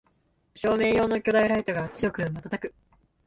照明用の巨大ライトが強くまたたく